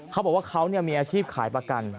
เขาบอกว่าเขามีอาชีพขายประกัน